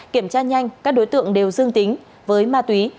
kiểm tra nhanh các đối tượng đều dương tính với ma túy